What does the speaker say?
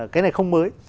cái này không mới